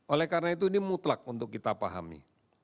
oleh karena itu ini mutlak untuk kita pahami